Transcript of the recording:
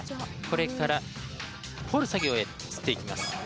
これから彫る作業へ移っていきます。